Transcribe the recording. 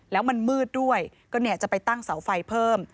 แล้วมันมืดด้วยก็จะไปตั้งเสาไฟเพิ่ม